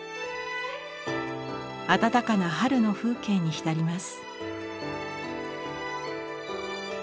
暖かな春の風景に浸ります。